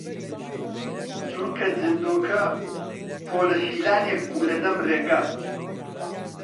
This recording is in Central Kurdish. چونکە جندۆکە پۆلە شیلانێک بوو لە دەم ڕێگە